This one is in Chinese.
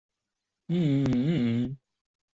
转向架构架采用钢板焊接箱型结构。